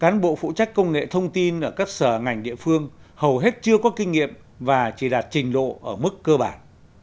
các cán bộ phụ trách công nghệ thông tin ở các sở ngành địa phương hầu hết chưa có kinh nghiệm và chỉ đạt trình độ ở mức cơ bản